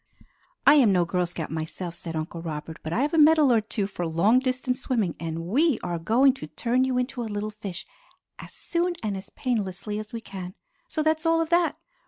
"I am no Girl Scout myself," said Uncle Robert, "but I have a medal or two for long distance swimming, and we are going to turn you into a little fish as soon and as painlessly as we can. So that's all of that!